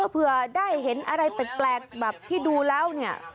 เผื่อได้เห็นอะไรแปลกแบบที่ดูแล้วเนี่ย